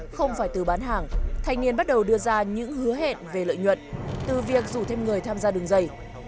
không phải từ bán hàng thanh niên bắt đầu đưa ra những hứa hẹn về lợi nhuận từ việc rủ thêm người tham gia đường dây